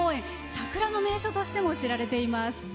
桜の名所としても知られています。